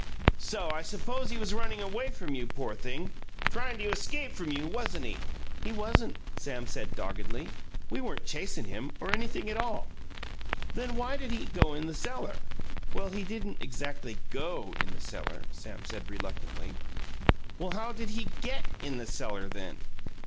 "So! I suppose he was running away from you, poor thing! Trying to escape from you, wasn't he?" "He wasn't," Sam said doggedly. "We weren't chasin' him or anything at all." "Then why did he go in the cellar?" "Well, he didn't exactly GO in the cellar," Sam said reluctantly. "Well, how did he GET in the cellar, then?"